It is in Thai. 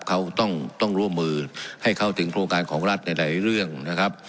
เขาต้องร่วมมือให้เข้าถึงโครงการของรัฐในหลายเรื่องนะครับ